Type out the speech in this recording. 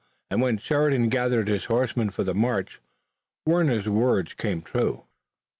And when Sheridan gathered his horsemen for the march Warner's words came true.